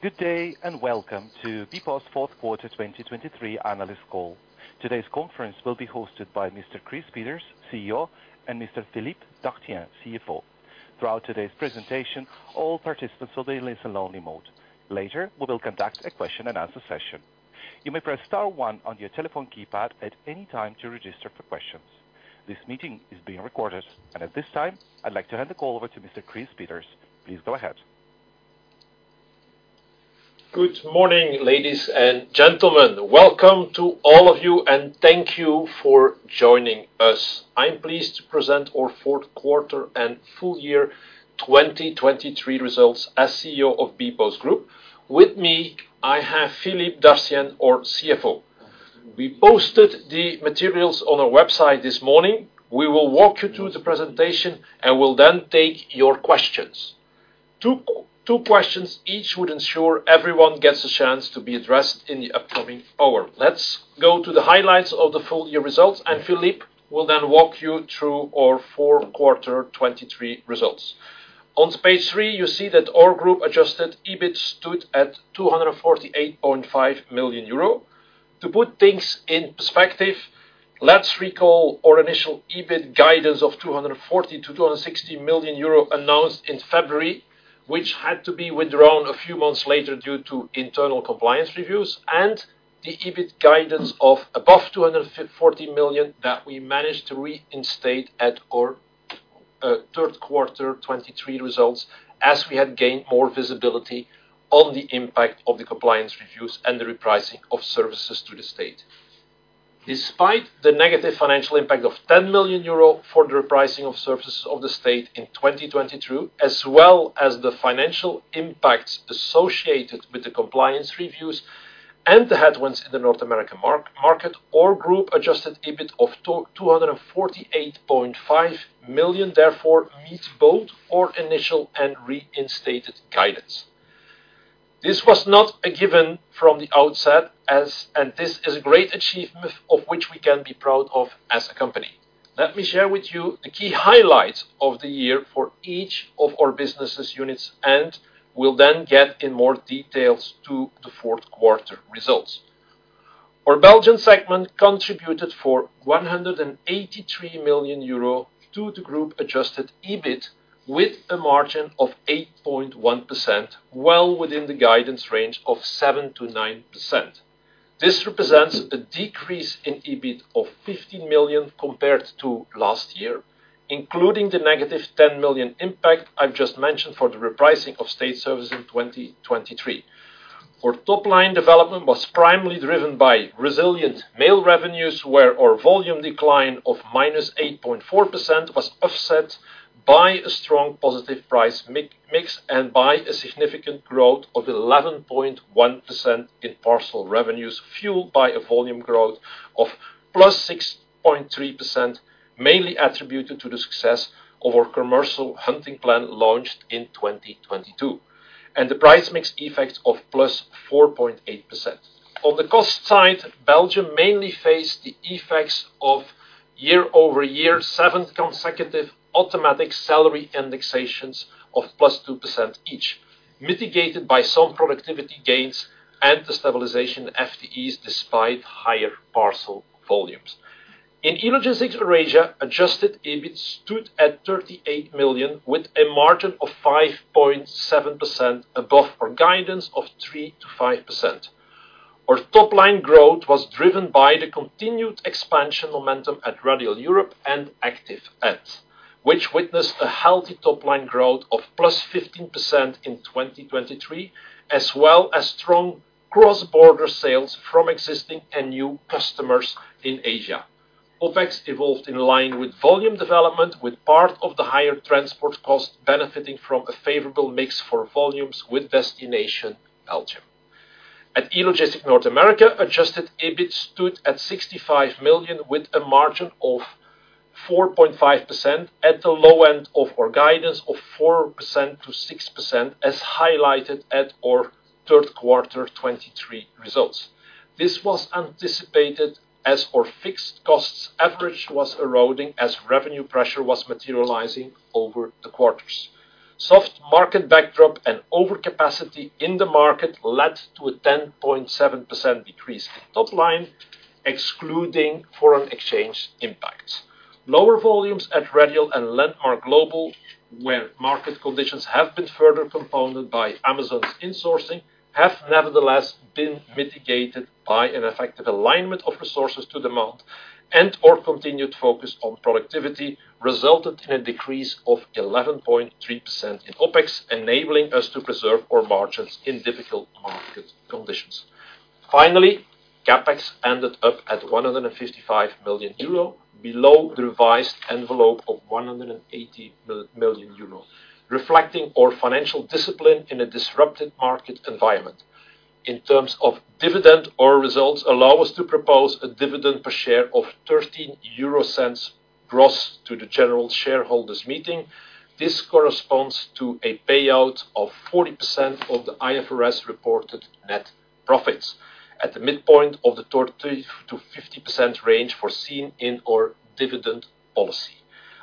Good day, and welcome to bpost's Q4 2023 analyst call. Today's conference will be hosted by Mr. Chris Peeters, CEO, and Mr. Philippe Dartienne, CFO. Throughout today's presentation, all participants will be in listen-only mode. Later, we will conduct a question-and-answer session. You may press star one on your telephone keypad at any time to register for questions. This meeting is being recorded, and at this time, I'd like to hand the call over to Mr. Chris Peeters. Please go ahead. Good morning, ladies and gentlemen. Welcome to all of you, and thank you for joining us. I'm pleased to present our Q4 and full year 2023 results as CEO of bpostgroup. With me, I have Philippe Dartienne, our CFO. We posted the materials on our website this morning. We will walk you through the presentation, and we'll then take your questions. Two questions each would ensure everyone gets a chance to be addressed in the upcoming hour. Let's go to the highlights of the full year results, and Philippe will then walk you through our Q4 2023 results. On page 3, you see that our group adjusted EBIT stood at 248.5 million euro. To put things in perspective, let's recall our initial EBIT guidance of 240 million-260 million euro announced in February, which had to be withdrawn a few months later due to internal compliance reviews and the EBIT guidance of above 240 million that we managed to reinstate at our Q3 2023 results, as we had gained more visibility on the impact of the compliance reviews and the repricing of services to the state. Despite the negative financial impact of 10 million euro for the repricing of services of the state in 2022, as well as the financial impacts associated with the compliance reviews and the headwinds in the North American market, our group adjusted EBIT of 248.5 million, therefore, meets both our initial and reinstated guidance. This was not a given from the outset, as - and this is a great achievement of which we can be proud of as a company. Let me share with you the key highlights of the year for each of our business units, and we'll then get in more details to the Q4 results. Our Belgian segment contributed 183 million euro to the group adjusted EBIT, with a margin of 8.1%, well within the guidance range of 7%-9%. This represents a decrease in EBIT of 50 million compared to last year, including the negative 10 million impact I've just mentioned for the repricing of state services in 2023. Our top line development was primarily driven by resilient mail revenues, where our volume decline of -8.4% was offset by a strong positive price mix and by a significant growth of 11.1% in parcel revenues, fueled by a volume growth of +6.3%, mainly attributed to the success of our Commercial Hunting Plan launched in 2022, and the price mix effect of +4.8%. On the cost side, Belgium mainly faced the effects of year-over-year, seven consecutive automatic salary indexations of +2% each, mitigated by some productivity gains and the stabilization in FTEs despite higher parcel volumes. In E-Logistics Eurasia, adjusted EBIT stood at 38 million, with a margin of 5.7% above our guidance of 3%-5%. Our top-line growth was driven by the continued expansion momentum at Radial Europe and Active Ants, which witnessed a healthy top-line growth of +15% in 2023, as well as strong cross-border sales from existing and new customers in Asia. OpEx evolved in line with volume development, with part of the higher transport cost benefiting from a favorable mix for volumes with destination Belgium. At E-Logistics North America, adjusted EBIT stood at $65 million, with a margin of 4.5% at the low end of our guidance of 4%-6%, as highlighted at our Q3 2023 results. This was anticipated as our fixed costs average was eroding as revenue pressure was materializing over the quarters. Soft market backdrop and overcapacity in the market led to a 10.7% decrease in top line, excluding foreign exchange impacts. Lower volumes at Radial and Landmark Global, where market conditions have been further compounded by Amazon's insourcing, have nevertheless been mitigated by an effective alignment of resources to demand, and our continued focus on productivity resulted in a decrease of 11.3% in OpEx, enabling us to preserve our margins in difficult market conditions. Finally, CapEx ended up at 155 million euro, below the revised envelope of 180 million euro, reflecting our financial discipline in a disrupted market environment. In terms of dividend, our results allow us to propose a dividend per share of 0.13 gross to the general shareholders meeting. This corresponds to a payout of 40% of the IFRS-reported net profits, at the midpoint of the 30%-50% range foreseen in our dividend policy....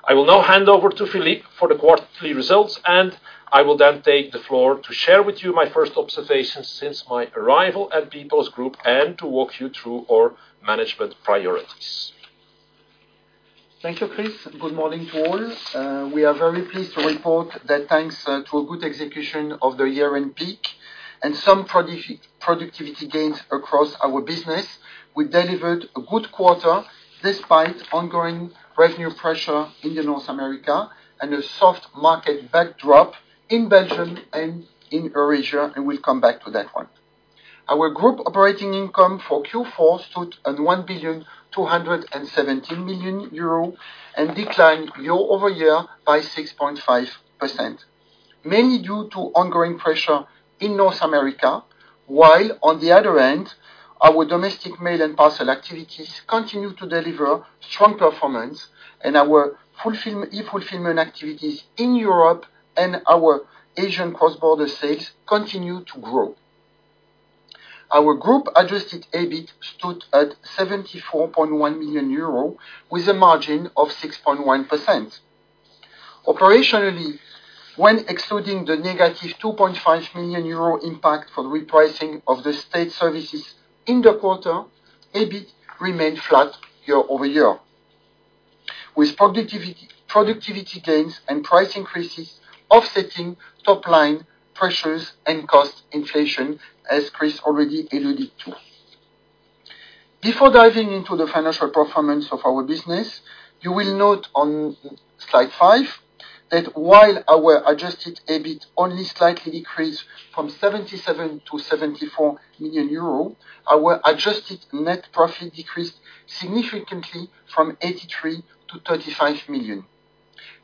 I will now hand over to Philippe for the quarterly results, and I will then take the floor to share with you my first observations since my arrival at bpostgroup and to walk you through our management priorities. Thank you, Chris. Good morning to all. We are very pleased to report that thanks to a good execution of the year-end peak and some productivity gains across our business, we delivered a good quarter despite ongoing revenue pressure in North America and a soft market backdrop in Belgium and in Eurasia, and we'll come back to that one. Our group operating income for Q4 stood at 1,217 million euro and declined year-over-year by 6.5%, mainly due to ongoing pressure in North America, while on the other hand, our domestic mail and parcel activities continue to deliver strong performance, and our e-fulfillment activities in Europe and our Asian cross-border sales continue to grow. Our group Adjusted EBIT stood at 74.1 million euro, with a margin of 6.1%. Operationally, when excluding the negative 2.5 million euro impact for the repricing of the state services in the quarter, EBIT remained flat year-over-year, with productivity gains and price increases offsetting top line pressures and cost inflation, as Chris already alluded to. Before diving into the financial performance of our business, you will note on slide 5, that while our adjusted EBIT only slightly decreased from 77 million-74 million euro, our adjusted net profit decreased significantly from 83 million-35 million.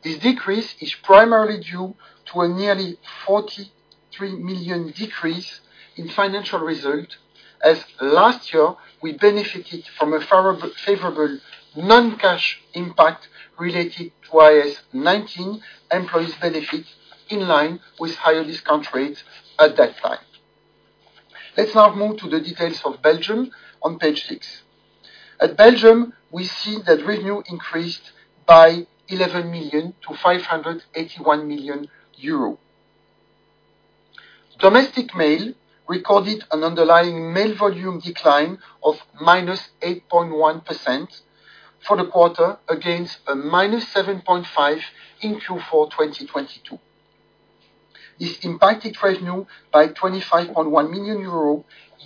This decrease is primarily due to a nearly 43 million decrease in financial result, as last year we benefited from a favorable non-cash impact related to IAS 19 employee benefits, in line with higher discount rates at that time. Let's now move to the details of Belgium on page 6. In Belgium, we see that revenue increased by 11 million to 581 million euro. Domestic mail recorded an underlying mail volume decline of -8.1% for the quarter, against a -7.5% in Q4 2022. This impacted revenue by 25.1 million euros,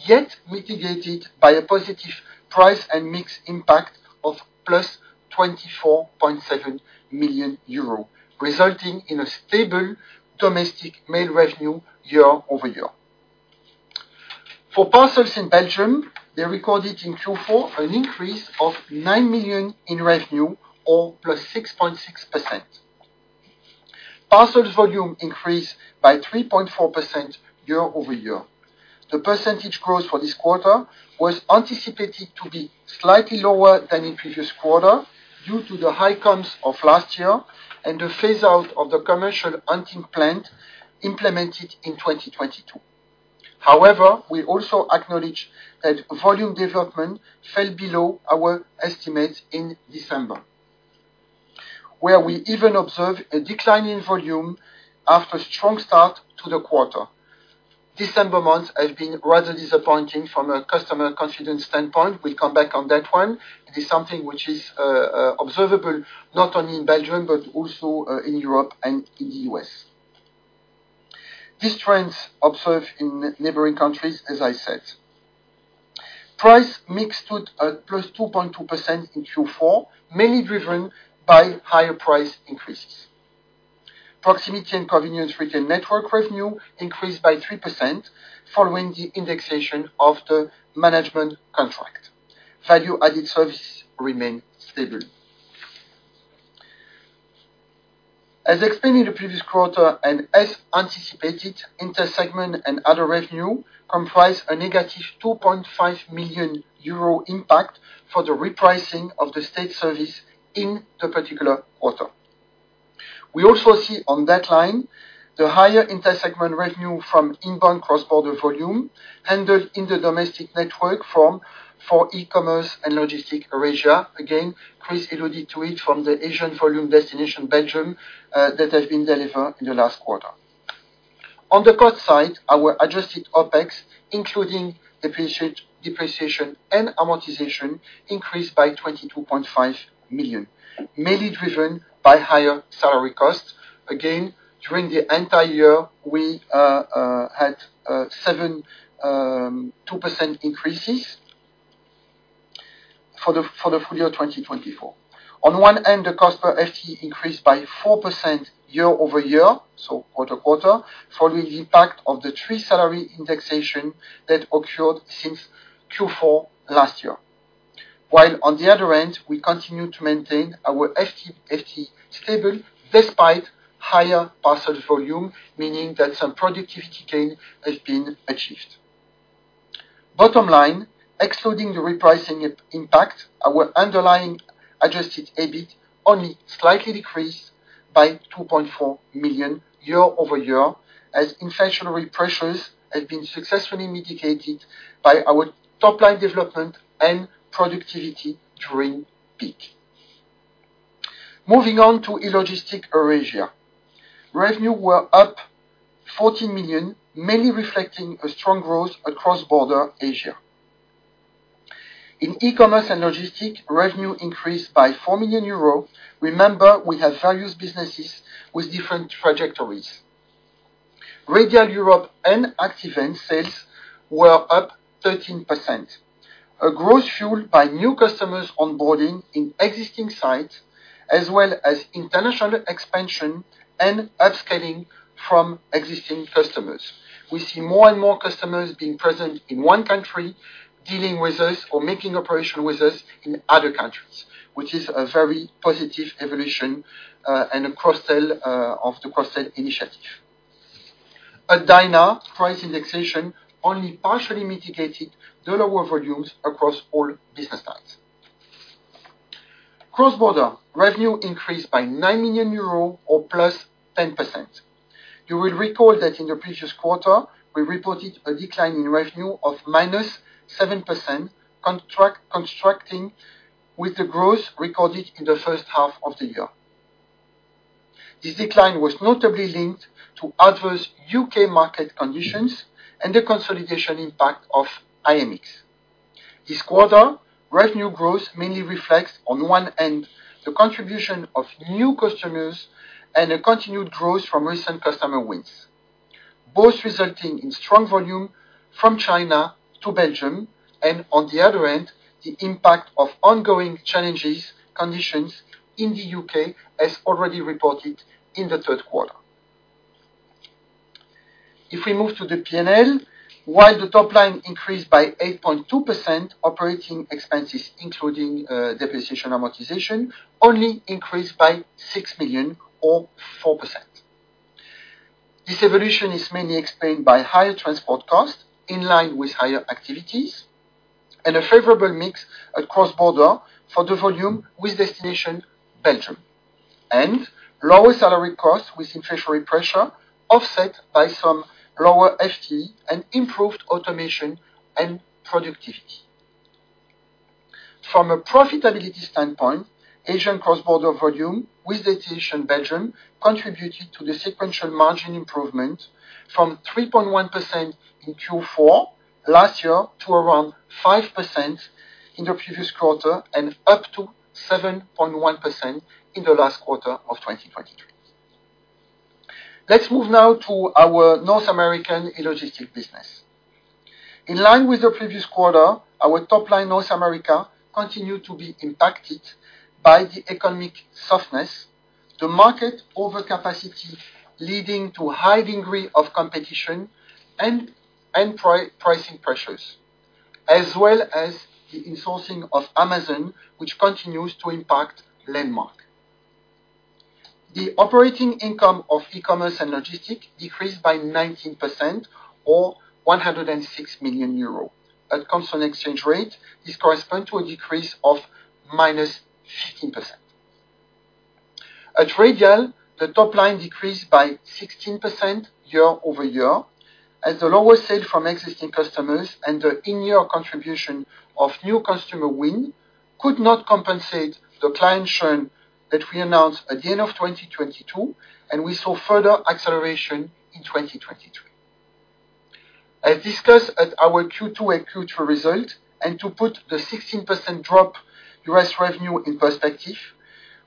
yet mitigated by a positive price and mix impact of +24.7 million euros, resulting in a stable domestic mail revenue year-over-year. For parcels in Belgium, they recorded in Q4 an increase of 9 million in revenue or +6.6%. Parcels volume increased by 3.4% year-over-year. The percentage growth for this quarter was anticipated to be slightly lower than in previous quarter, due to the high comps of last year and the phase-out of the Commercial Hunting Plan implemented in 2022. However, we also acknowledge that volume development fell below our estimates in December, where we even observed a decline in volume after a strong start to the quarter. December month has been rather disappointing from a customer confidence standpoint. We'll come back on that one. It is something which is observable not only in Belgium, but also in Europe and in the US. These trends observed in neighboring countries, as I said. Price mix stood at +2.2% in Q4, mainly driven by higher price increases. Proximity and convenience retail network revenue increased by 3% following the indexation of the management contract. Value-added services remained stable. As explained in the previous quarter, and as anticipated, inter-segment and other revenue comprise a negative 2.5 million euro impact for the repricing of the state service in the particular quarter. We also see on that line, the higher inter-segment revenue from inbound cross-border volume handled in the domestic network for e-commerce and logistics Eurasia. Again, Chris alluded to it from the Asian volume destination, Belgium, that has been delivered in the last quarter. On the cost side, our adjusted OpEx, including depreciation and amortization, increased by 22.5 million, mainly driven by higher salary costs. Again, during the entire year, we had 7.2% increases for the full year 2024. On one end, the cost per FTE increased by 4% year-over-year, quarter-over-quarter, following the impact of the 3 salary indexations that occurred since Q4 last year. While on the other end, we continue to maintain our FTE stable despite higher parcel volume, meaning that some productivity gain has been achieved. Bottom line, excluding the repricing impact, our underlying adjusted EBIT only slightly decreased by 2.4 million year-over-year, as inflationary pressures have been successfully mitigated by our top line development and productivity during peak. Moving on to E-Logistics Eurasia. Revenue were up 14 million, mainly reflecting a strong growth cross-border Asia. In e-commerce and logistic, revenue increased by 4 million euros. Remember, we have various businesses with different trajectories. Radial Europe and Active Ants sales were up 13%, a growth fueled by new customers onboarding in existing sites, as well as international expansion and upscaling from existing customers. We see more and more customers being present in one country, dealing with us or making operation with us in other countries, which is a very positive evolution, and a cross-sell of the cross-sell initiative. At Dyna, price indexation only partially mitigated the lower volumes across all business types. Cross-border revenue increased by 9 million euros or +10%. You will recall that in the previous quarter, we reported a decline in revenue of -7%, contrasting with the growth recorded in the first half of the year. This decline was notably linked to adverse U.K. market conditions and the consolidation impact of IMX. This quarter, revenue growth mainly reflects, on one end, the contribution of new customers and a continued growth from recent customer wins, both resulting in strong volume from China to Belgium, and on the other end, the impact of ongoing challenges, conditions in the U.K., as already reported in the Q3. If we move to the P&L, while the top line increased by 8.2%, operating expenses, including depreciation amortization, only increased by 6 million or 4%. This evolution is mainly explained by higher transport costs, in line with higher activities, and a favorable mix at cross-border for the volume with destination Belgium, and lower salary costs with inflationary pressure, offset by some lower FTE and improved automation and productivity. From a profitability standpoint, Asian cross-border volume with destination Belgium contributed to the sequential margin improvement from 3.1% in Q4 last year to around 5% in the previous quarter and up to 7.1% in the last quarter of 2023. Let's move now to our North American E-Logistics Eurasia. In line with the previous quarter, our top line North America continued to be impacted by the economic softness, the market overcapacity, leading to high degree of competition and pricing pressures, as well as the insourcing of Amazon, which continues to impact Landmark. The operating income of e-commerce and logistics decreased by 19% or 106 million euros. At constant exchange rate, this correspond to a decrease of -15%. At Radial, the top line decreased by 16% year-over-year, as the lower sale from existing customers and the in-year contribution of new customer win could not compensate the client churn that we announced at the end of 2022, and we saw further acceleration in 2023. As discussed at our Q2 and Q2 result, and to put the 16% drop US revenue in perspective,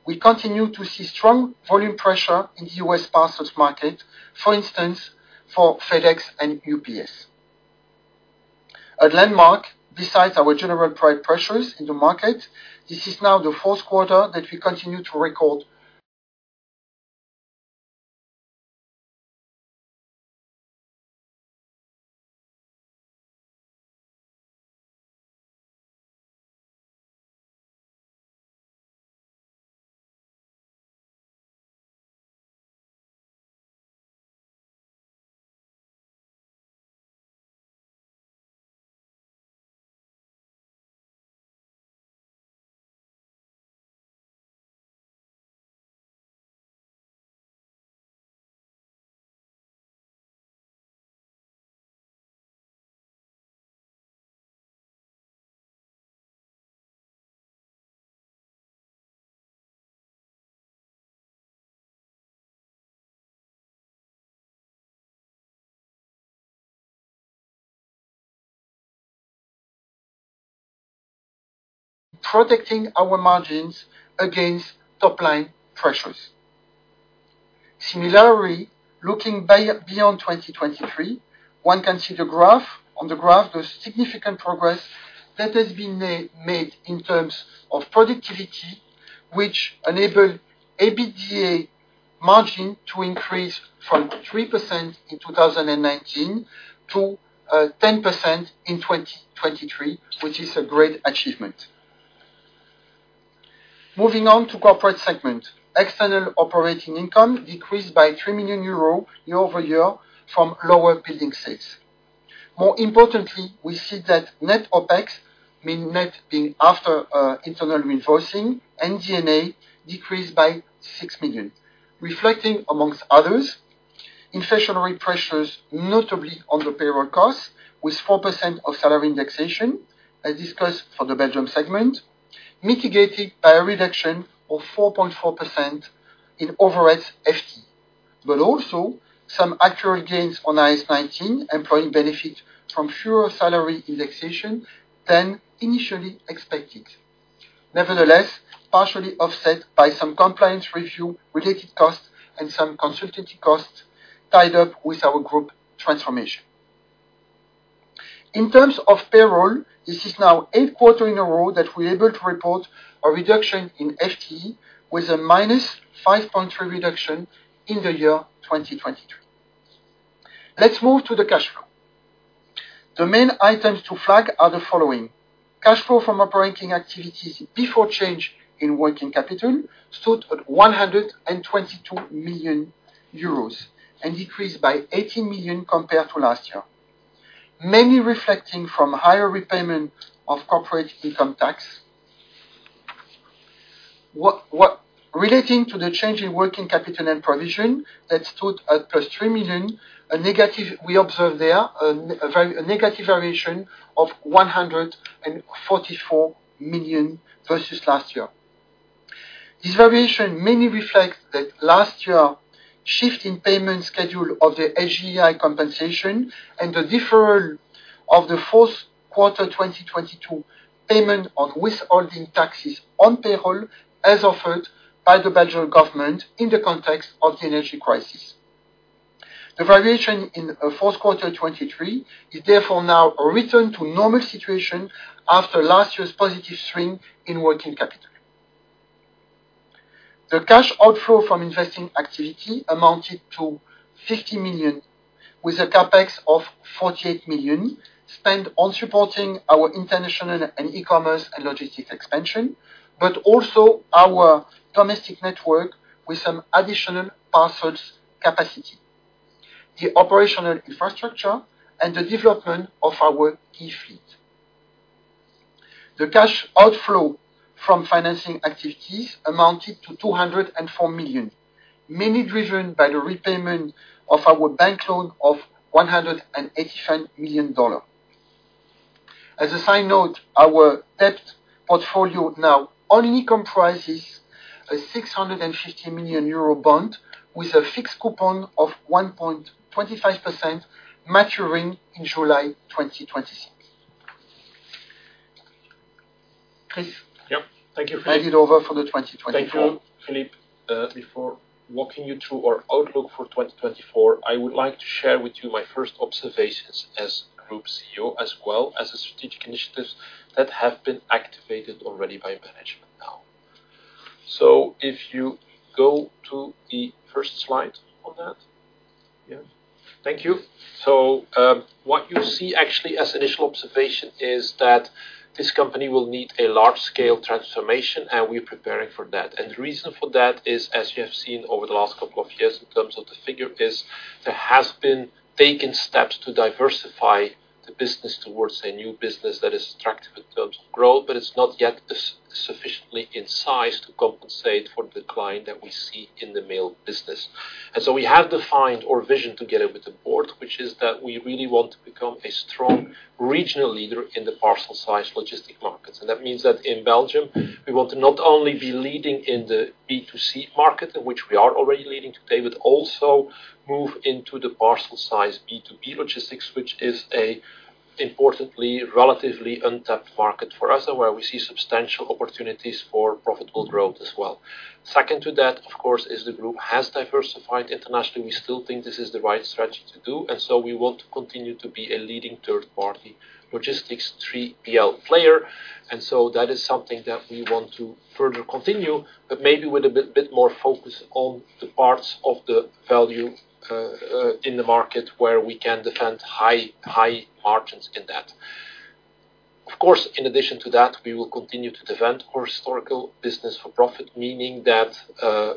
we continue to see strong volume pressure in the US parcels market, for instance, for FedEx and UPS. At Landmark, besides our general price pressures in the market, this is now the Q4 that we continue to record. Protecting our margins against top line pressures. Similarly, looking by, beyond 2023, one can see the graph. On the graph, the significant progress that has been made in terms of productivity, which enabled EBITDA margin to increase from 3% in 2019 to 10% in 2023, which is a great achievement. Moving on to corporate segment. External operating income decreased by 3 million euros year-over-year from lower building sales. More importantly, we see that net OpEx, mean net being after internal reinforcing and Dyna, decreased by 6 million, reflecting among others, inflationary pressures, notably on the payroll costs, with 4% of salary indexation, as discussed for the Belgium segment, mitigated by a reduction of 4.4% in overheads FTE. But also some actual gains on IAS 19, employee benefit from fewer salary indexation than initially expected. Nevertheless, partially offset by some compliance review related costs, and some consultancy costs tied up with our group transformation. In terms of payroll, this is now eight quarters in a row that we're able to report a reduction in FTE with a -5.3 reduction in the year 2023. Let's move to the cash flow. The main items to flag are the following: cash flow from operating activities before change in working capital, stood at 122 million euros, and decreased by 80 million compared to last year. Mainly reflecting from higher repayment of corporate income tax. Relating to the change in working capital and provision, that stood at +3 million, a negative we observe there, a negative variation of 144 million versus last year. This variation mainly reflects that last year, shift in payment schedule of the SGEI compensation and the deferral of the Q4 2022 payment on withholding taxes on payroll, as offered by the Belgian government in the context of the energy crisis. The variation in Q4 2023 is therefore now a return to normal situation after last year's positive swing in working capital. The cash outflow from investing activity amounted to 50 million, with a CapEx of 48 million, spent on supporting our international and e-commerce and logistics expansion, but also our domestic network with some additional parcels capacity, the operational infrastructure and the development of our key fleet. The cash outflow from financing activities amounted to 204 million, mainly driven by the repayment of our bank loan of $185 million. As a side note, our debt portfolio now only comprises a 650 million euro bond with a fixed coupon of 1.25%, maturing in July 2026. Chris? Yep. Thank you, Philippe. Hand it over for the 2024. Thank you, Philippe. Before walking you through our outlook for 2024, I would like to share with you my first observations as Group CEO, as well as the strategic initiatives that have been activated already by management now. So if you go to the first slide on that. Thank you. So, what you see actually as initial observation is that this company will need a large-scale transformation, and we're preparing for that. And the reason for that is, as you have seen over the last couple of years in terms of the figure, is there has been taken steps to diversify the business towards a new business that is attractive in terms of growth, but it's not yet sufficiently in size to compensate for the decline that we see in the mail business. So we have defined our vision together with the board, which is that we really want to become a strong regional leader in the parcel-sized logistics markets. That means that in Belgium, we want to not only be leading in the B2C market, which we are already leading today, but also move into the parcel-sized B2B logistics, which is, importantly, a relatively untapped market for us, and where we see substantial opportunities for profitable growth as well. Second to that, of course, is that the group has diversified internationally. We still think this is the right strategy to do, and so we want to continue to be a leading third-party logistics, 3PL, player. That is something that we want to further continue, but maybe with a bit more focus on the parts of the value in the market where we can defend high margins in that. Of course, in addition to that, we will continue to defend our historical business for profit, meaning that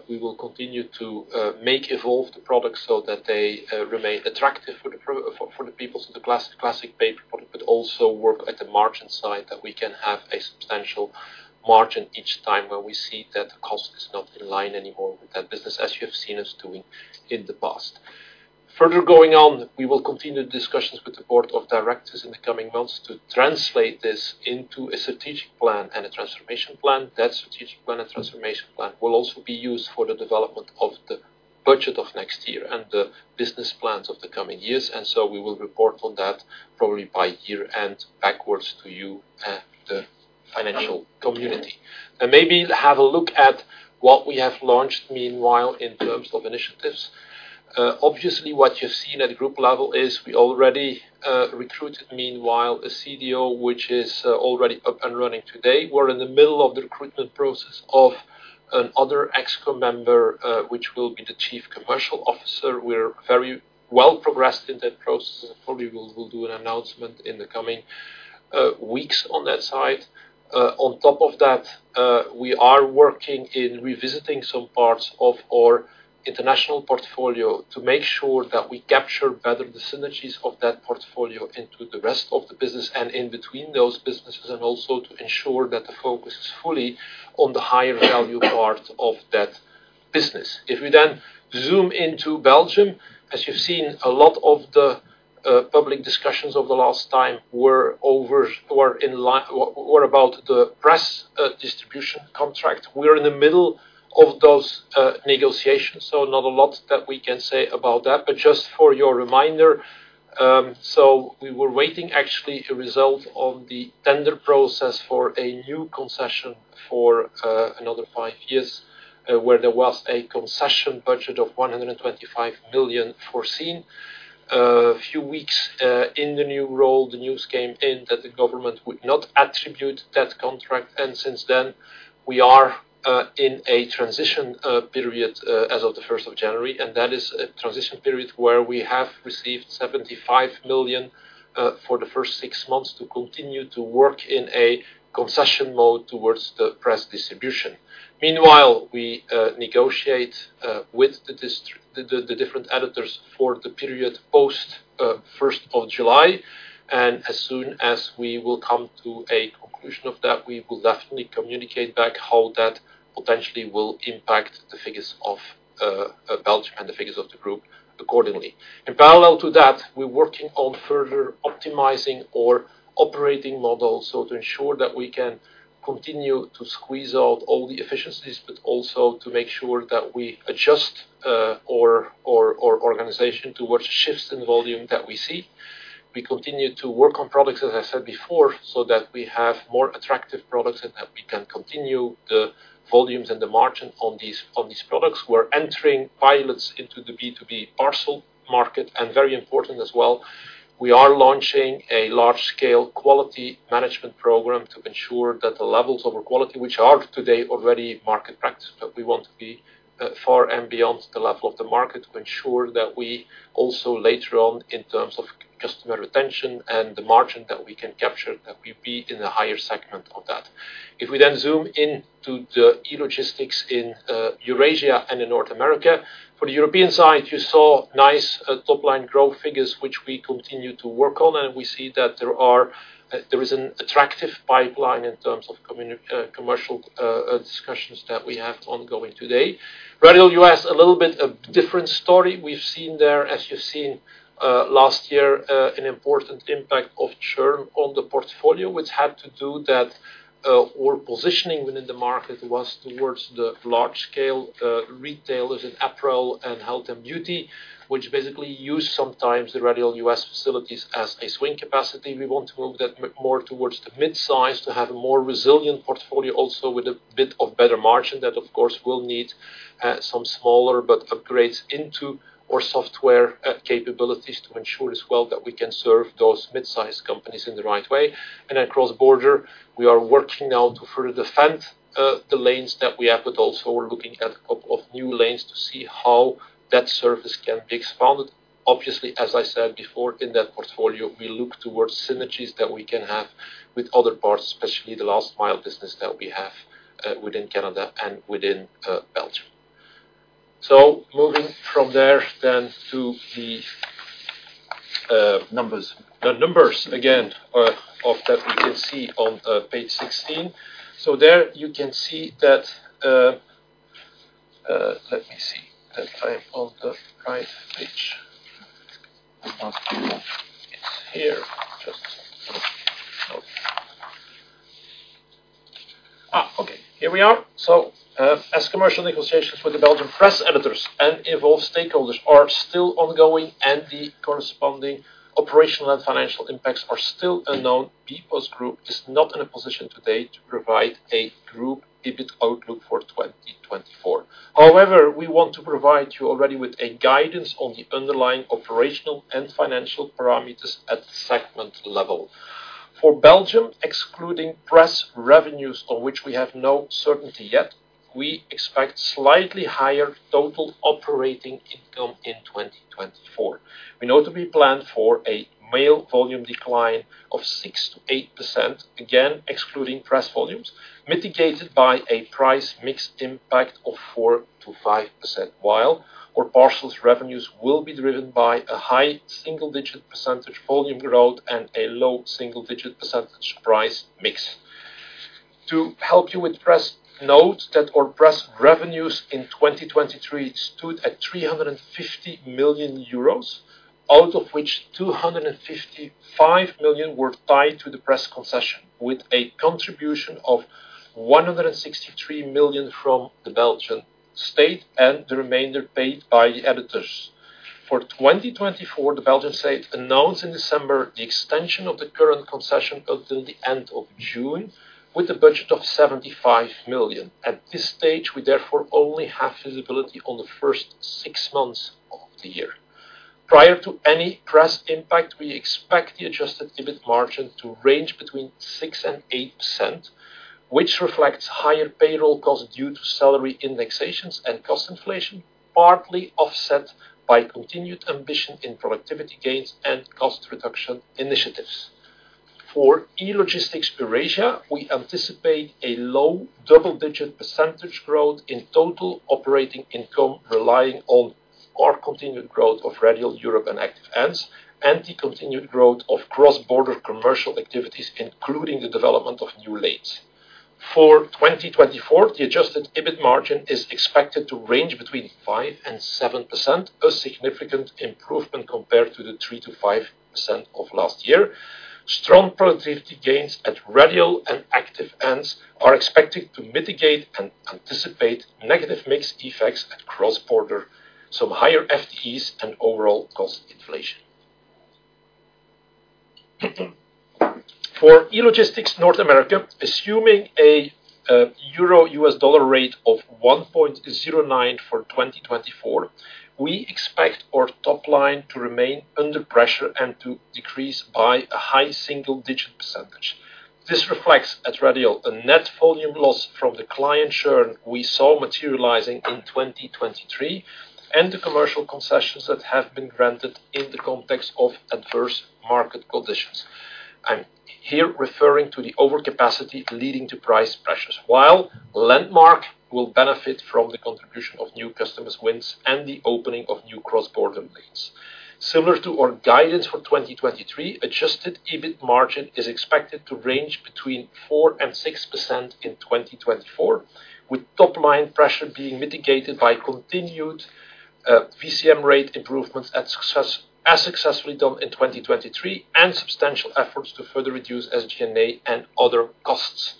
we will continue to make evolve the products so that they remain attractive for the people. The classic paper product, but also work at the margin side, that we can have a substantial margin each time when we see that the cost is not in line anymore with that business, as you have seen us doing in the past. Further going on, we will continue discussions with the Board of Directors in the coming months to translate this into a strategic plan and a transformation plan. That strategic plan and transformation plan will also be used for the development of the budget of next year and the business plans of the coming years, and so we will report on that probably by year end, back to you and the financial community. And maybe have a look at what we have launched meanwhile, in terms of initiatives. Obviously, what you've seen at group level is we already recruited meanwhile, a CDO, which is already up and running today. We're in the middle of the recruitment process of another ExCo member, which will be the Chief Commercial Officer. We're very well progressed in that process, and probably we'll do an announcement in the coming... Weeks on that side. On top of that, we are working in revisiting some parts of our international portfolio to make sure that we capture better the synergies of that portfolio into the rest of the business and in between those businesses, and also to ensure that the focus is fully on the higher value part of that business. If we then zoom into Belgium, as you've seen, a lot of the public discussions over the last time were about the press distribution contract. We are in the middle of those negotiations, so not a lot that we can say about that. But just for your reminder, so we were waiting actually a result on the tender process for a new concession for another five years, where there was a concession budget of 125 million foreseen. A few weeks in the new role, the news came in that the government would not attribute that contract, and since then, we are in a transition period as of the January 1, and that is a transition period where we have received 75 million for the first six months to continue to work in a concession mode towards the press distribution. Meanwhile, we negotiate with the different editors for the period post July 1, and as soon as we will come to a conclusion of that, we will definitely communicate back how that potentially will impact the figures of Belgium and the figures of the group accordingly. In parallel to that, we're working on further optimizing our operating model, so to ensure that we can continue to squeeze out all the efficiencies, but also to make sure that we adjust our organization towards shifts in volume that we see. We continue to work on products, as I said before, so that we have more attractive products and that we can continue the volumes and the margin on these products. We're entering pilots into the B2B parcel market, and very important as well, we are launching a large-scale quality management program to ensure that the levels of our quality, which are today already market practice, but we want to be far and beyond the level of the market, to ensure that we also, later on, in terms of customer retention and the margin that we can capture, that we be in a higher segment of that. If we then zoom in to the e-logistics in Eurasia and in North America, for the European side, you saw nice top-line growth figures, which we continue to work on, and we see that there are there is an attractive pipeline in terms of commercial discussions that we have ongoing today. Radial U.S., a little bit a different story. We've seen there, as you've seen, last year, an important impact of churn on the portfolio, which had to do that our positioning within the market was towards the large scale retailers in apparel and health and beauty, which basically use sometimes the Radial U.S. facilities as a swing capacity. We want to move that more towards the mid-size to have a more resilient portfolio, also with a bit of better margin. That, of course, will need some smaller, but upgrades into our software capabilities to ensure as well that we can serve those mid-sized companies in the right way. And then cross-border, we are working now to further defend the lanes that we have, but also we're looking at a couple of new lanes to see how that service can be expanded. Obviously, as I said before, in that portfolio, we look towards synergies that we can have with other parts, especially the last mile business that we have within Canada and within Belgium. So moving from there then to the, Numbers. The numbers again, of that we can see on page 16. So there you can see that, let me see that I'm on the right page. It's here, just... Ah, okay, here we are. So, as commercial negotiations with the Belgian press editors and involved stakeholders are still ongoing and the corresponding operational and financial impacts are still unknown, bpostgroup is not in a position today to provide a group EBIT outlook for 2024. However, we want to provide you already with a guidance on the underlying operational and financial parameters at segment level. For Belgium, excluding press revenues, on which we have no certainty yet, we expect slightly higher total operating income in 2024. We notably plan for a mail volume decline of 6%-8%, again excluding press volumes, mitigated by a price mix impact of 4%-5%, while our parcels revenues will be driven by a high single-digit % volume growth and a low single-digit % price mix. To help you with press, note that our press revenues in 2023 stood at 350 million euros, out of which 255 million were tied to the press concession, with a contribution of 163 million from the Belgian state and the remainder paid by the editors. For 2024, the Belgian state announced in December the extension of the current concession until the end of June, with a budget of 75 million. At this stage, we therefore only have visibility on the first six months of the year. Prior to any press impact, we expect the adjusted EBIT margin to range between 6% and 8%, which reflects higher payroll costs due to salary indexations and cost inflation, partly offset by continued ambition in productivity gains and cost reduction initiatives. For E-logistics Eurasia, we anticipate a low double-digit % growth in total operating income, relying on our continued growth of Radial Europe and Active Ants, and the continued growth of cross-border commercial activities, including the development of new lanes. For 2024, the adjusted EBIT margin is expected to range between 5% and 7%, a significant improvement compared to the 3%-5% of last year. Strong productivity gains at Radial and Active Ants are expected to mitigate and anticipate negative mix effects at cross-border, some higher FTEs and overall cost inflation. For E-Logistics North America, assuming a EUR/USD rate of 1.09 for 2024, we expect our top line to remain under pressure and to decrease by a high single-digit %. This reflects at Radial, a net volume loss from the client churn we saw materializing in 2023, and the commercial concessions that have been granted in the context of adverse market conditions. I'm here referring to the overcapacity leading to price pressures, while Landmark will benefit from the contribution of new customers wins and the opening of new cross-border lanes. Similar to our guidance for 2023, adjusted EBIT margin is expected to range between 4%-6% in 2024, with top line pressure being mitigated by continued VCM rate improvements as successfully done in 2023, and substantial efforts to further reduce SG&A and other costs.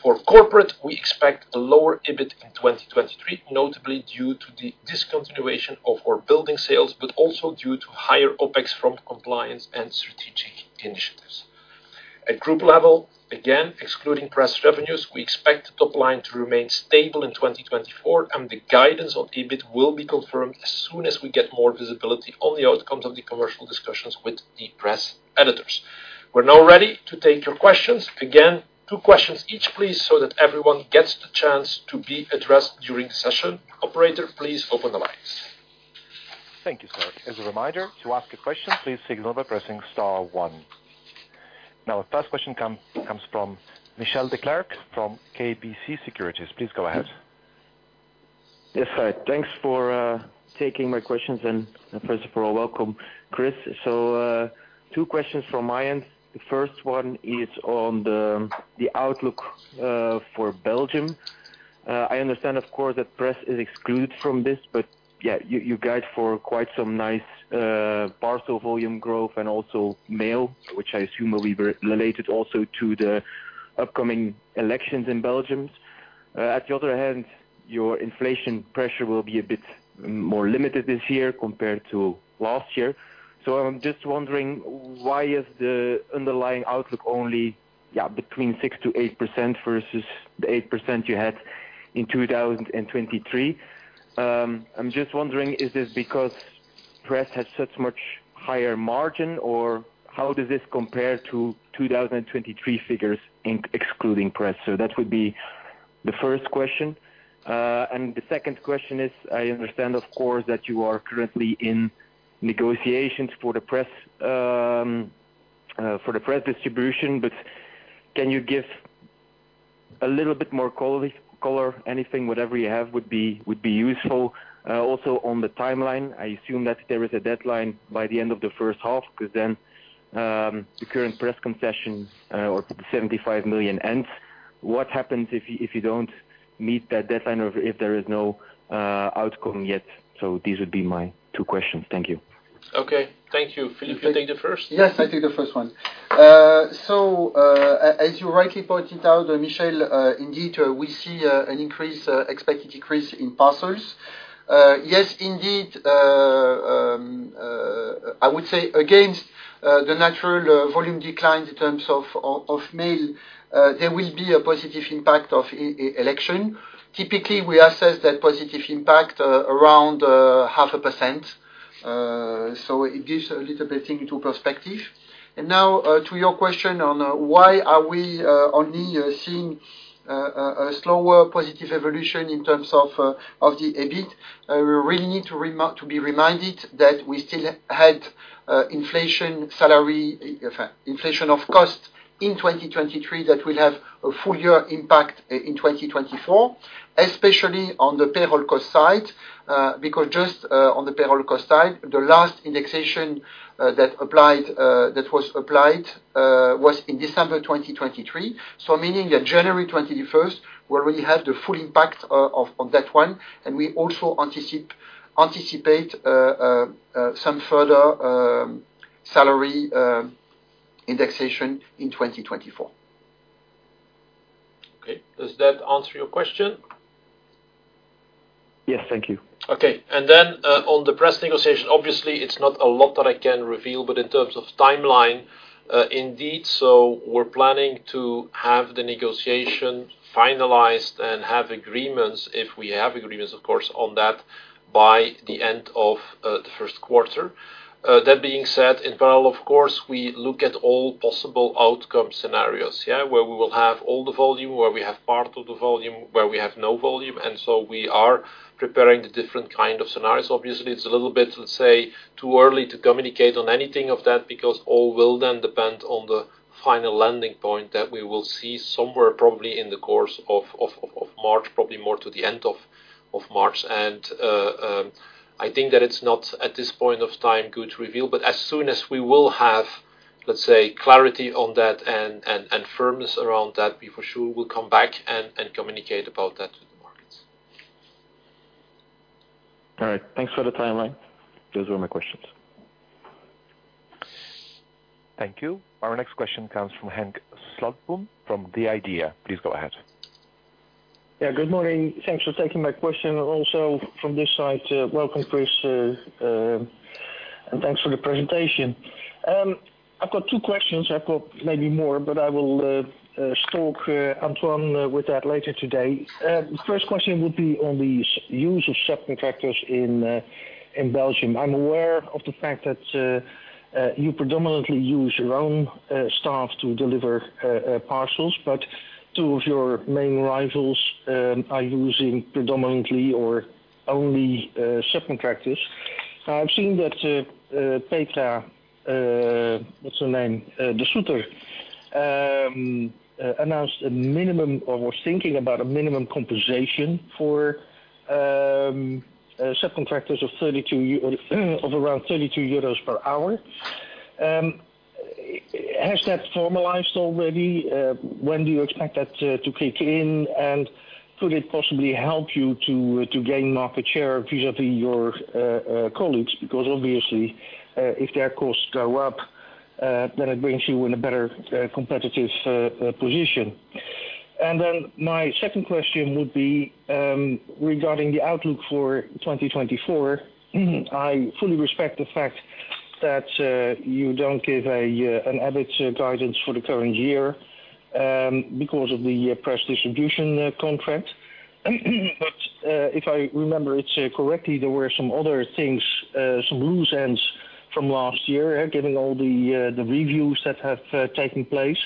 For corporate, we expect a lower EBIT in 2023, notably due to the discontinuation of our building sales, but also due to higher OpEx from compliance and strategic initiatives. At group level, again, excluding press revenues, we expect the top line to remain stable in 2024, and the guidance of EBIT will be confirmed as soon as we get more visibility on the outcomes of the commercial discussions with the press editors. We're now ready to take your questions. Again, two questions each, please, so that everyone gets the chance to be addressed during the session. Operator, please open the lines. Thank you, sir. As a reminder, to ask a question, please signal by pressing star one. Now, our first question comes from Michiel Declercq from KBC Securities. Please go ahead. Yes, hi. Thanks for taking my questions. First of all, welcome, Chris. So, two questions from my end. The first one is on the outlook for Belgium. I understand, of course, that press is excluded from this, but you guide for quite some nice parcel volume growth and also mail, which I assume will be related also to the upcoming elections in Belgium. At the other hand, your inflation pressure will be a bit more limited this year compared to last year. So I'm just wondering, why is the underlying outlook only between 6%-8% versus the 8% you had in 2023? I'm just wondering, is this because press has such much higher margin, or how does this compare to 2023 figures in excluding press? So that would be the first question. And the second question is, I understand, of course, that you are currently in negotiations for the press, for the press distribution, but can you give a little bit more color? Anything, whatever you have, would be useful. Also on the timeline, I assume that there is a deadline by the end of the first half, because then, the current press concession or 75 million ends. What happens if you, if you don't meet that deadline or if there is no, outcome yet? So these would be my two questions. Thank you. Okay. Thank you. Philippe, you take the first? Yes, I'll take the first one. So, as you rightly pointed out, Michiel, indeed, we see an expected increase in parcels. Yes, indeed, I would say against the natural volume decline in terms of mail, there will be a positive impact of e-election. Typically, we assess that positive impact around 0.5%, so it gives a little bit into perspective. And now, to your question on why are we only seeing a slower positive evolution in terms of the EBIT? We really need to be reminded that we still had inflation, salary inflation of cost in 2023, that will have a full year impact in 2024, especially on the payroll cost side. Because just on the payroll cost side, the last indexation that applied that was applied was in December 2023. So meaning that January 21, we already had the full impact of that one, and we also anticipate some further salary indexation in 2024. Okay. Does that answer your question? Yes. Thank you. Okay. And then on the press negotiation, obviously it's not a lot that I can reveal, but in terms of timeline, indeed, so we're planning to have the negotiation finalized and have agreements, if we have agreements, of course, on that by the end of the Q1. That being said, in parallel, of course, we look at all possible outcome scenarios, yeah, where we will have all the volume, where we have part of the volume, where we have no volume. And so we are preparing the different kind of scenarios. Obviously, it's a little bit, let's say, too early to communicate on anything of that, because all will then depend on the final landing point that we will see somewhere probably in the course of March, probably more to the end of March. I think that it's not, at this point of time, good to reveal, but as soon as we will have, let's say, clarity on that and firmness around that, we for sure will come back and communicate about that to the markets. All right. Thanks for the timeline. Those were my questions. Thank you. Our next question comes from Henk Slotboom, from The IDEA. Please go ahead. Yeah, good morning. Thanks for taking my question. And also from this side, welcome, Chris, and thanks for the presentation. I've got two questions. I've got maybe more, but I will talk to Antoine with that later today. The first question would be on the use of subcontractors in Belgium. I'm aware of the fact that you predominantly use your own staff to deliver parcels, but two of your main rivals are using predominantly or only subcontractors. I've seen that Petra De Sutter announced a minimum or was thinking about a minimum compensation for subcontractors of around 32 euros per hour. Has that formalized already? When do you expect that to kick in? And could it possibly help you to gain market share vis-à-vis your colleagues? Because obviously, if their costs go up, then it brings you in a better competitive position. And then my second question would be, regarding the outlook for 2024. I fully respect the fact that you don't give an EBITDA guidance for the current year, because of the press distribution contract. But if I remember it correctly, there were some other things, some loose ends from last year, giving all the reviews that have taken place.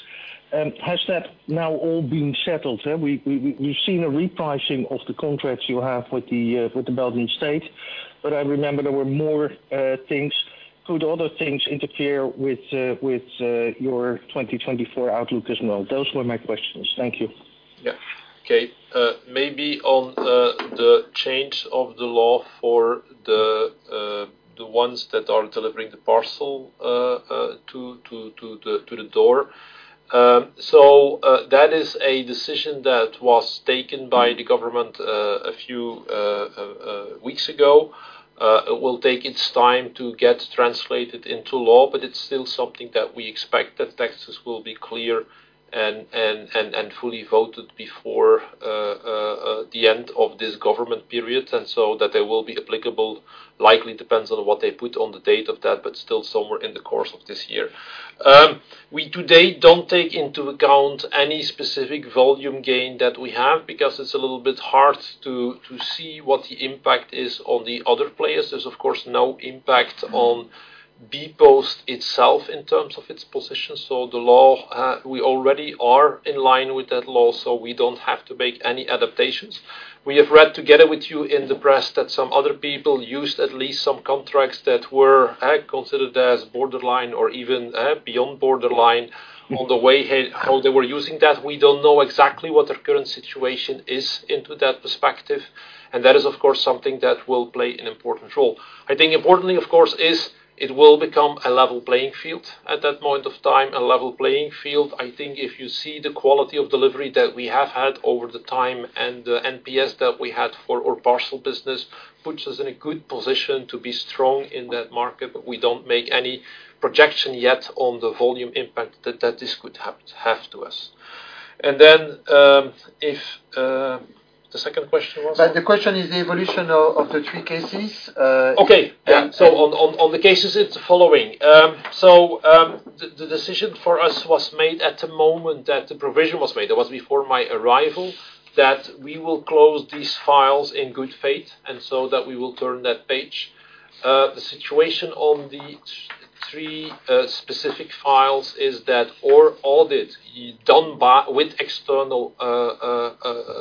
Has that now all been settled? We've seen a repricing of the contracts you have with the Belgian state, but I remember there were more things. Could other things interfere with your 2024 outlook as well? Those were my questions. Thank you. Yeah. Okay. Maybe on the change of the law for the ones that are delivering the parcel to the door. So, that is a decision that was taken by the government a few weeks ago. It will take its time to get translated into law, but it's still something that we expect, that taxes will be clear and fully voted before the end of this government period. And so that they will be applicable, likely depends on what they put on the date of that, but still somewhere in the course of this year. We today don't take into account any specific volume gain that we have because it's a little bit hard to see what the impact is on the other players. There's, of course, no impact on bpost itself in terms of its position. So the law, we already are in line with that law, so we don't have to make any adaptations. We have read together with you in the press, that some other people used at least some contracts that were, considered as borderline or even, beyond borderline on the way, how they were using that. We don't know exactly what their current situation is into that perspective, and that is, of course, something that will play an important role. I think importantly, of course, is it will become a level playing field at that point of time. A level playing field, I think, if you see the quality of delivery that we have had over the time and the NPS that we had for our parcel business, puts us in a good position to be strong in that market. But we don't make any projection yet on the volume impact that, that this could have, have to us. And then, The second question was? That the question is the evolution of the three cases. Okay. Yeah. So on the cases, it's the following. The decision for us was made at the moment that the provision was made. It was before my arrival, that we will close these files in good faith, and so that we will turn that page. The situation on the three specific files is that our audit, done with external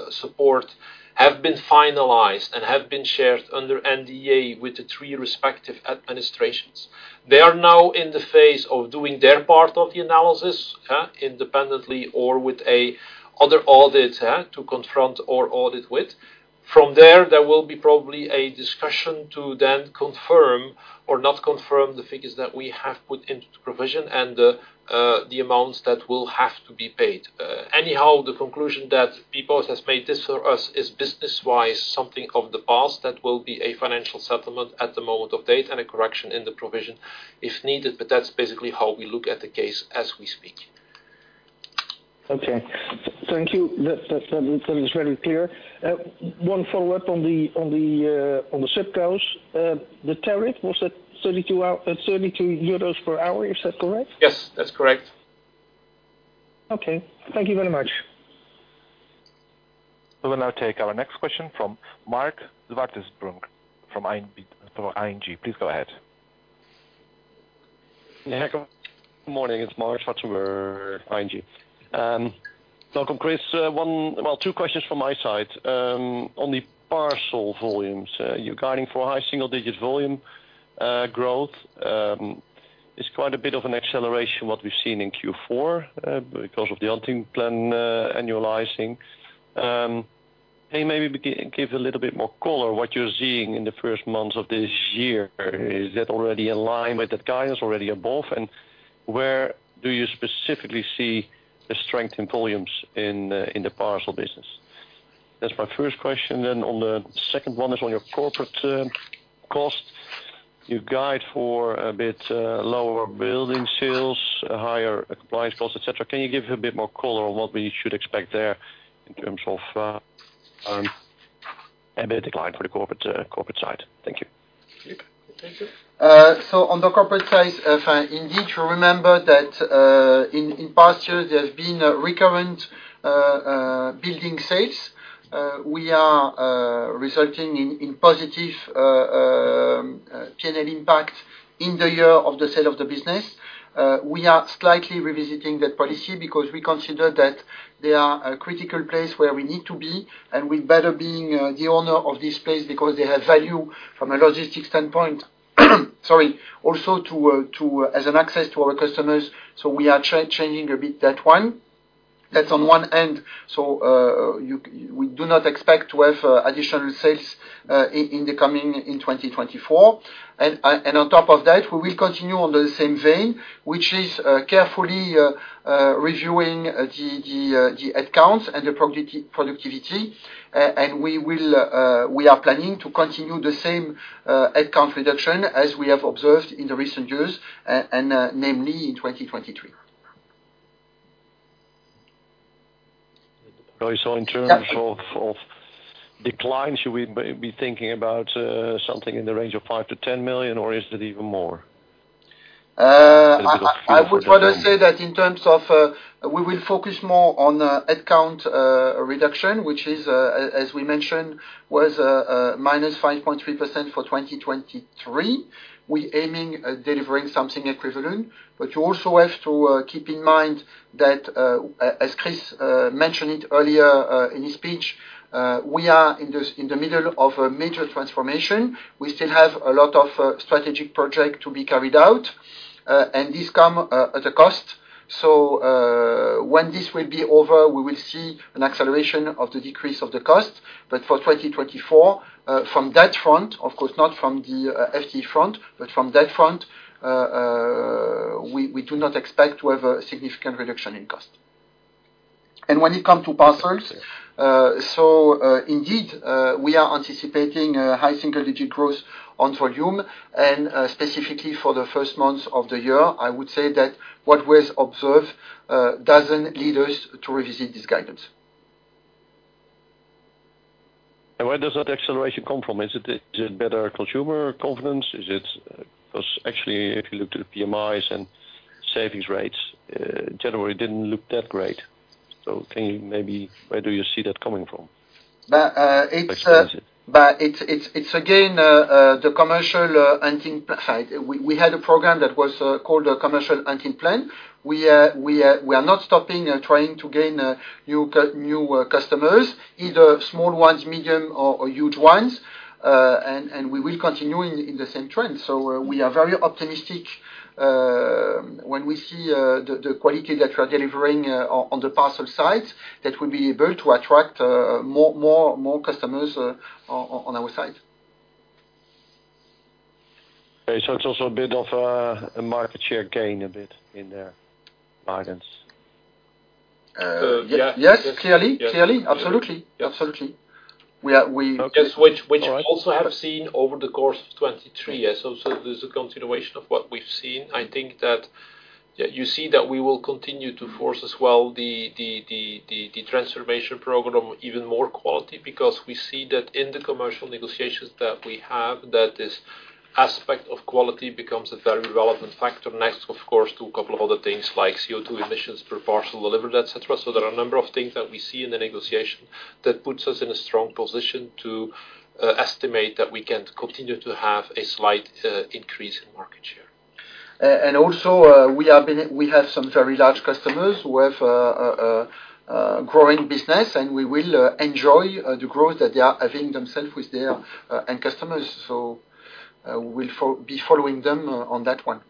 support, have been finalized and have been shared under NDA with the three respective administrations. They are now in the phase of doing their part of the analysis, independently or with another audit, to confront our audit with. From there, there will be probably a discussion to then confirm or not confirm the figures that we have put into the provision and the amounts that will have to be paid. Anyhow, the conclusion that bpost has made this for us is business-wise, something of the past that will be a financial settlement at the moment of date and a correction in the provision if needed. But that's basically how we look at the case as we speak. Okay. Thank you. That is very clear. One follow-up on the subcontractors. The tariff was at 32 euros per hour. Is that correct? Yes, that's correct. Okay. Thank you very much. We will now take our next question from Marc Zwartsenburg from ING. Please go ahead. Yeah, good morning, it's Marc Zwartsenburg, ING. Welcome, Chris. One, well, two questions from my side. On the parcel volumes, you're guiding for high single digit volume growth. It's quite a bit of an acceleration what we've seen in Q4, because of the hunting plan, annualizing. Can you maybe give a little bit more color what you're seeing in the first months of this year? Is that already in line with the guidance, already above? And where do you specifically see the strength in volumes in the parcel business? That's my first question. Then on the second one is on your corporate cost. You guide for a bit lower building sales, higher compliance cost, et cetera. Can you give a bit more color on what we should expect there in terms of EBITDA decline for the corporate side? Thank you. Thank you. So on the corporate side, indeed, you remember that, in past years, there's been a recurrent building sales. We are resulting in positive P&L impact in the year of the sale of the business. We are slightly revisiting that policy because we consider that they are a critical place where we need to be, and we better being the owner of this place because they have value from a logistics standpoint, sorry, also to as an access to our customers. So we are changing a bit that one. That's on one end. So we do not expect to have additional sales in the coming in 2024. And on top of that, we will continue on the same vein, which is carefully reviewing the headcounts and the productivity. And we are planning to continue the same headcount reduction as we have observed in the recent years and, namely in 2023. So in terms of decline, should we be thinking about something in the range of 5 million-10 million, or is it even more? I would rather say that in terms of, we will focus more on headcount reduction, which is, as we mentioned, -5.3% for 2023. We're aiming at delivering something equivalent. But you also have to keep in mind that, as Chris mentioned it earlier, in his speech, we are in the middle of a major transformation. We still have a lot of strategic project to be carried out, and this come at a cost. So, when this will be over, we will see an acceleration of the decrease of the cost. But for 2024, from that front, of course, not from the, FTE front, but from that front, we do not expect to have a significant reduction in cost. And when it come to parcels, so, indeed, we are anticipating a high single-digit growth on volume, and, specifically for the first months of the year, I would say that what was observed, doesn't lead us to revisit this guidance. Where does that acceleration come from? Is it, is it better consumer confidence? Is it... Because actually, if you look at the PMIs and savings rates, January didn't look that great. So can you maybe, where do you see that coming from? But, it's... Excuse me. But it's again the Commercial Hunting side. We had a program that was called a Commercial Hunting Plan. We are not stopping trying to gain new customers, either small ones, medium or huge ones, and we will continue in the same trend. So we are very optimistic when we see the quality that we are delivering on the parcel side, that we'll be able to attract more customers on our side. Okay. So it's also a bit of a market share gain a bit in the guidance? Yes, clearly. Absolutely. Absolutely. We are, we... Which also have seen over the course of 2023. So there's a continuation of what we've seen. I think that you see that we will continue to force as well the transformation program, even more quality, because we see that in the commercial negotiations that we have, that this aspect of quality becomes a very relevant factor. Next, of course, to a couple of other things like CO2 emissions per parcel delivered, et cetera. So there are a number of things that we see in the negotiation that puts us in a strong position to estimate that we can continue to have a slight increase in market share. And also, we have some very large customers who have growing business, and we will enjoy the growth that they are having themselves with their end customers. So, we'll be following them on that one.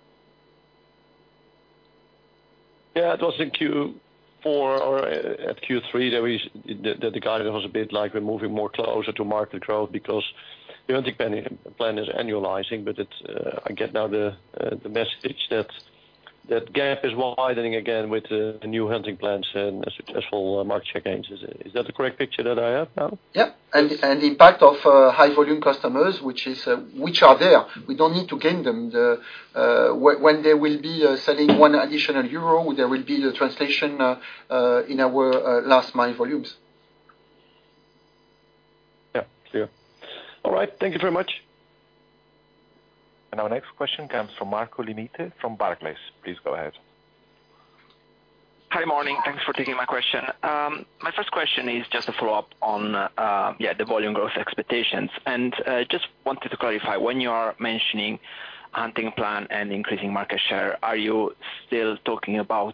Yeah, it was in Q4 or at Q3 that the guidance was a bit like we're moving more closer to market growth because the hunting plan is annualizing, but it's, I get now the message that that gap is widening again with the new hunting plans and successful market share gains. Is that the correct picture that I have now? Yeah. And the impact of high volume customers, which are there. We don't need to gain them. Then, when they will be selling one additional euro, there will be the translation in our last mile volumes. Yeah, clear. All right. Thank you very much. And our next question comes from Marco Limite from Barclays. Please go ahead. Hi, morning. Thanks for taking my question. My first question is just a follow-up on, yeah, the volume growth expectations. And just wanted to clarify, when you are mentioning hunting plan and increasing market share, are you still talking about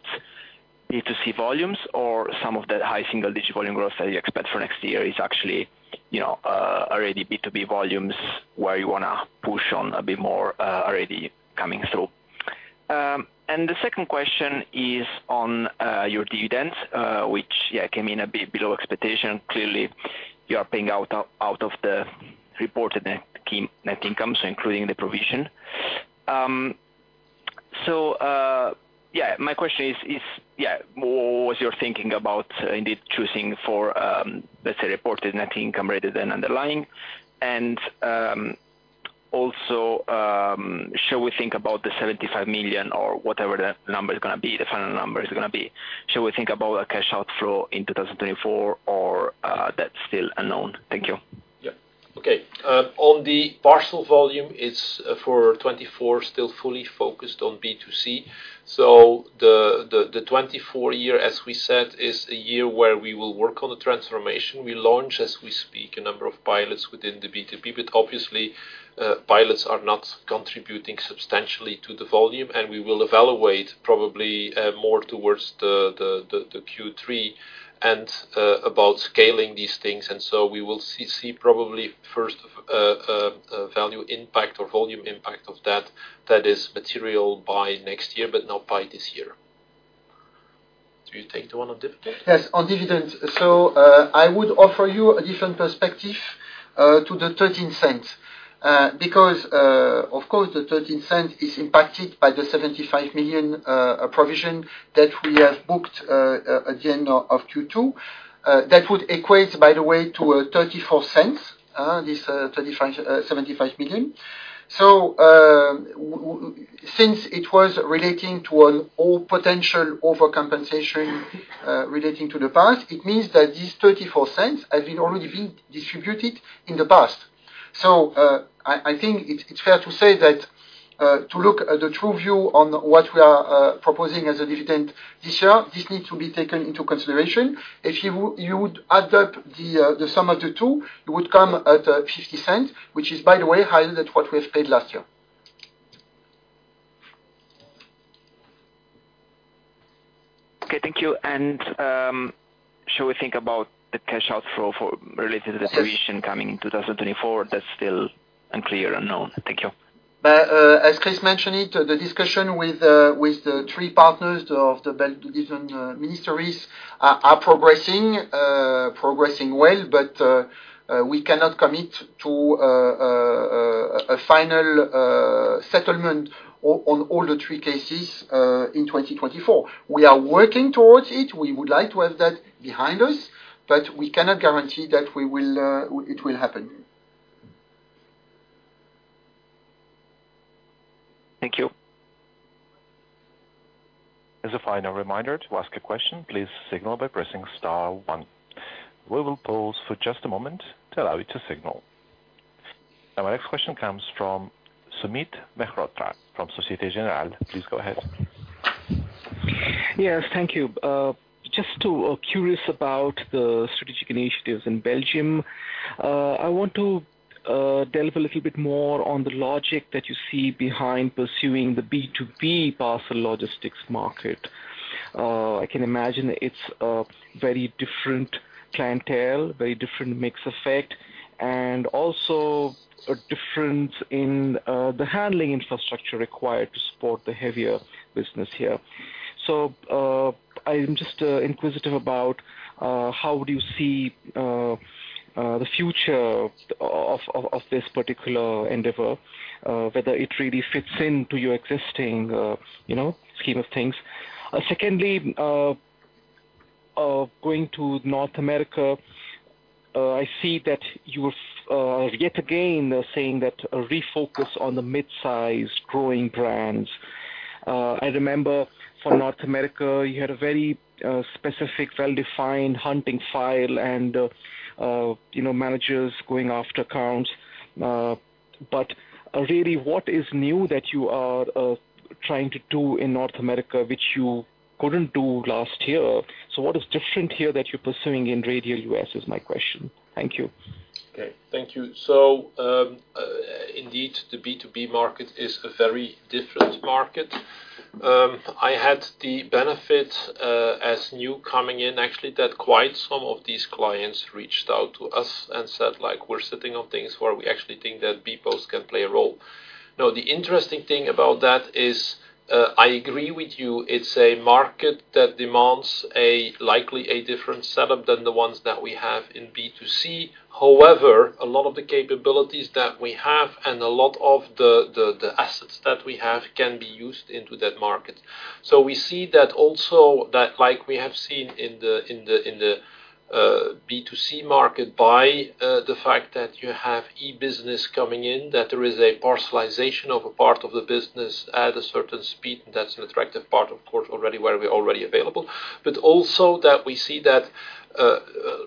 B2C volumes or some of that high single digit volume growth that you expect for next year is actually, you know, already B2B volumes, where you wanna push on a bit more, already coming through? And the second question is on your dividends, which, yeah, came in a bit below expectation. Clearly, you are paying out of the reported net net income, so including the provision. So, yeah, my question is, what you're thinking about indeed choosing for, let's say, reported net income rather than underlying. Also, should we think about the 75 million or whatever the number is gonna be, the final number is gonna be? Should we think about a cash outflow in 2024, or, that's still unknown? Thank you. Yeah. Okay, on the parcel volume, it's for 2024, still fully focused on B2C. So the 2024 year, as we said, is a year where we will work on the transformation. We launch, as we speak, a number of pilots within the B2B, but obviously, pilots are not contributing substantially to the volume, and we will evaluate probably more towards the Q3 and about scaling these things. And so we will see probably first value impact or volume impact of that is material by next year, but not by this year. Do you take the one on dividend? Yes, on dividends. So, I would offer you a different perspective to the 0.13. Because, of course, the 0.13 is impacted by the 75 million provision that we have booked at the end of Q2. That would equate, by the way, to 0.34, this 35, 75 million. So, since it was relating to an all potential overcompensation relating to the past, it means that this 0.34 has been already been distributed in the past. So, I think it's fair to say that to look at the true view on what we are proposing as a dividend this year, this needs to be taken into consideration. If you would add up the sum of the two, it would come at 0.50, which is, by the way, higher than what we have paid last year. Okay, thank you. And, should we think about the cash outflow for related to the... Yes ...provision coming in 2024, that's still unclear, unknown? Thank you. As Chris mentioned it, the discussion with the three partners of the Belgian ministries are progressing well, but we cannot commit to a final settlement on all the three cases in 2024. We are working towards it. We would like to have that behind us, but we cannot guarantee that it will happen. Thank you. As a final reminder, to ask a question, please signal by pressing star one. We will pause for just a moment to allow you to signal. Our next question comes from Sumit Mehrotra from Société Générale. Please go ahead. Yes, thank you. Just curious about the strategic initiatives in Belgium. I want to delve a little bit more on the logic that you see behind pursuing the B2B parcel logistics market. I can imagine it's a very different clientele, very different mix effect, and also a difference in the handling infrastructure required to support the heavier business here. So, I'm just inquisitive about how do you see the future of this particular endeavor, whether it really fits into your existing, you know, scheme of things. Secondly, going to North America, I see that you are yet again saying that a refocus on the mid-size growing brands. I remember for North America, you had a very, specific, well-defined hunting file and, you know, managers going after accounts. But really, what is new that you are, trying to do in North America, which you couldn't do last year? So what is different here that you're pursuing in Radial US, is my question. Thank you. Okay, thank you. So, indeed, the B2B market is a very different market. I had the benefit, as new coming in, actually, that quite some of these clients reached out to us and said, like, "We're sitting on things where we actually think that bpost can play a role." Now, the interesting thing about that is, I agree with you, it's a market that demands a likely a different setup than the ones that we have in B2C. However, a lot of the capabilities that we have and a lot of the assets that we have can be used into that market. So we see that also, that like we have seen in the B2C market, by the fact that you have e-business coming in, that there is a parcelization of a part of the business at a certain speed, that's an attractive part, of course, already where we're already available. But also that we see that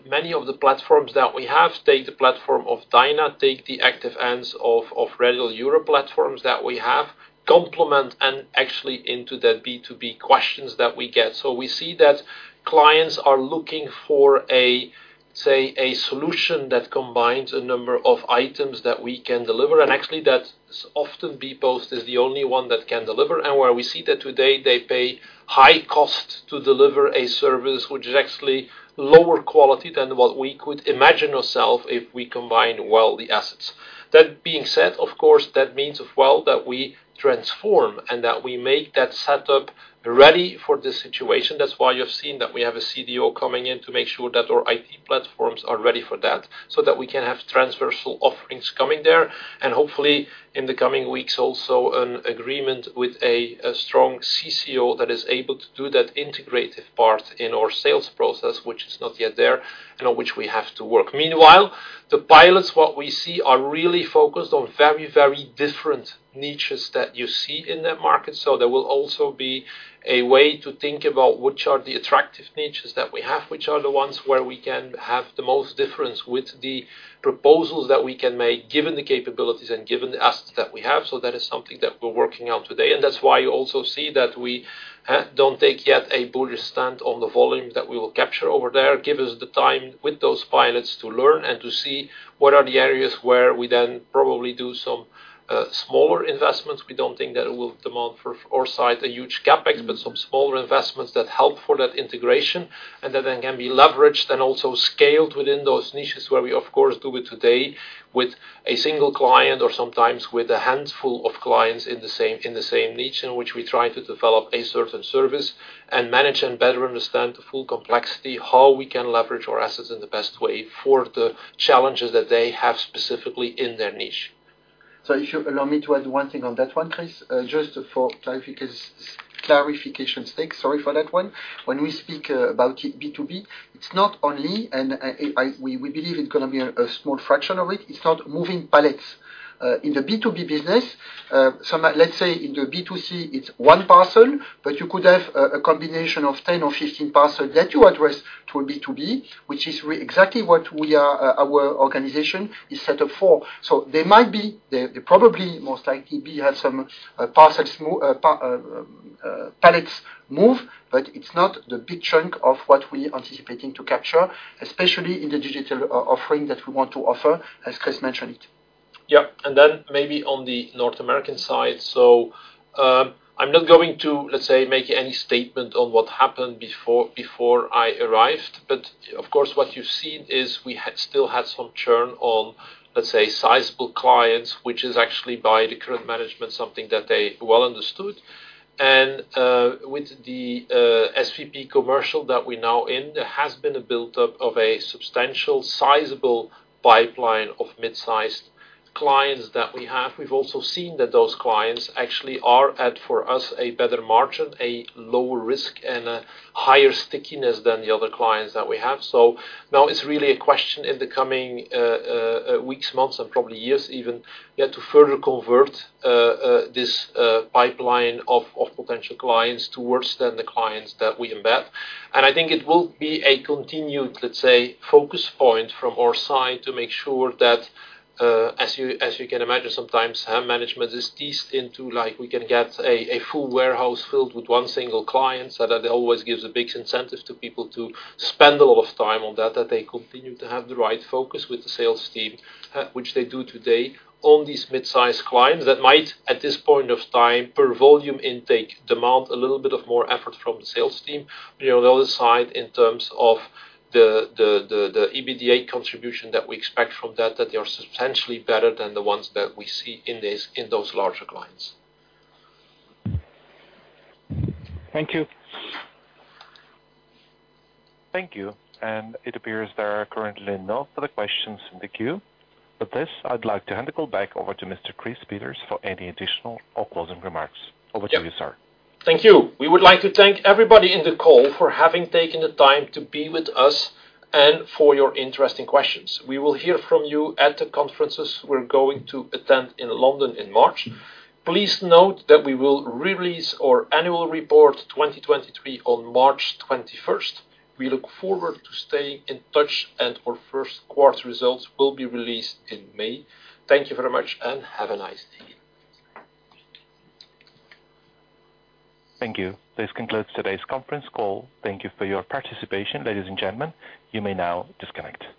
many of the platforms that we have, take the platform of Dyna, take the Active Ants of Radial Europe platforms that we have, complement and actually into the B2B questions that we get. So we see that clients are looking for a, say, a solution that combines a number of items that we can deliver, and actually that's often bpost is the only one that can deliver. Where we see that today, they pay high cost to deliver a service which is actually lower quality than what we could imagine ourselves if we combined well the assets. That being said, of course, that means as well that we transform and that we make that setup ready for the situation. That's why you've seen that we have a CDO coming in to make sure that our IT platforms are ready for that, so that we can have transversal offerings coming there. And hopefully, in the coming weeks, also an agreement with a strong CCO that is able to do that integrated part in our sales process, which is not yet there, and on which we have to work. Meanwhile, the pilots, what we see, are really focused on very different niches that you see in that market. So there will also be a way to think about which are the attractive niches that we have, which are the ones where we can have the most difference with the proposals that we can make, given the capabilities and given the assets that we have. So that is something that we're working on today. And that's why you also see that we don't take yet a bullish stand on the volume that we will capture over there. Give us the time with those pilots to learn and to see what are the areas where we then probably do some smaller investments. We don't think that it will demand, for our side, a huge CapEx, but some smaller investments that help for that integration, and that then can be leveraged and also scaled within those niches, where we, of course, do it today with a single client or sometimes with a handful of clients in the same niche, in which we try to develop a certain service and manage and better understand the full complexity, how we can leverage our assets in the best way for the challenges that they have specifically in their niche. So if you allow me to add one thing on that one, Chris, just for clarification sake, sorry for that one. When we speak about B2B, it's not only, and we believe it's gonna be a small fraction of it. It's not moving pallets in the B2B business. Some, let's say in the B2C, it's one parcel, but you could have a combination of 10 or 15 parcels that you address to a B2B, which is exactly what our organization is set up for. So there might be there probably most likely be some parcels, pallets move, but it's not the big chunk of what we're anticipating to capture, especially in the digital offering that we want to offer, as Chris mentioned it. Yeah, and then maybe on the North American side. So, I'm not going to, let's say, make any statement on what happened before I arrived. But of course, what you've seen is we had, still had some churn on, let's say, sizable clients, which is actually, by the current management, something that they well understood. And, with the SVP commercial that we're now in, there has been a build-up of a substantial, sizable pipeline of mid-sized clients that we have. We've also seen that those clients actually are at, for us, a better margin, a lower risk, and a higher stickiness than the other clients that we have. So now it's really a question in the coming weeks, months, and probably years even. We have to further convert this pipeline of potential clients towards then the clients that we embed. And I think it will be a continued, let's say, focus point from our side to make sure that, as you can imagine, sometimes management is teased into, like, we can get a full warehouse filled with one single client. So that always gives a big incentive to people to spend a lot of time on that, that they continue to have the right focus with the sales team, which they do today, on these mid-sized clients that might, at this point of time, per volume intake, demand a little bit of more effort from the sales team. But on the other side, in terms of the EBITDA contribution that we expect from that they are substantially better than the ones that we see in those larger clients. Thank you. Thank you, and it appears there are currently no further questions in the queue. With this, I'd like to hand the call back over to Mr. Chris Peeters for any additional or closing remarks. Over to you, sir. Thank you. We would like to thank everybody in the call for having taken the time to be with us, and for your interesting questions. We will hear from you at the conferences we're going to attend in London in March. Please note that we will re-release our annual report 2023 on March 21. We look forward to staying in touch, and our Q1 results will be released in May. Thank you very much, and have a nice day. Thank you. This concludes today's conference call. Thank you for your participation, ladies and gentlemen. You may now disconnect.